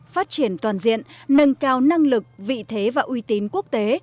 phát triển toàn diện nâng cao năng lực vị thế và uy tín quốc tế